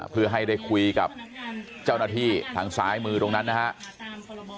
เพื่อให้ได้คุยกับเจ้าหน้าที่ทางซ้ายมือตรงนั้นนะครับ